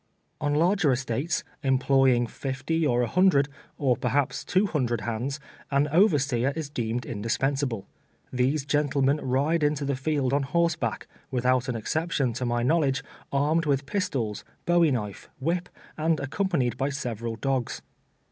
On larger estates, employing fifty or a hundred, or perhaps two hundred hands, an overseer is deemed indispensable. These gentlemen ride into the field on horseback, without an exception, to my knowledge, armed with pistols, bowie knife, whip, and accompa nied by several dogs.